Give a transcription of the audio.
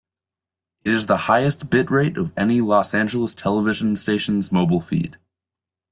It is the highest bitrate of any Los Angeles television station's mobile feed.